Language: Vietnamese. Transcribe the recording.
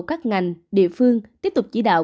các ngành địa phương tiếp tục chỉ đạo